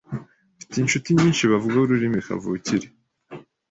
Mfite inshuti nyinshi bavuga ururimi kavukire,